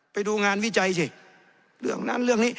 ไปดูงานวิจัยสิเรื่องนั้นเรื่องนี้